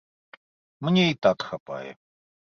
Мне і так хапае.